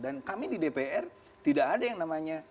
dan kami di dpr tidak ada yang namanya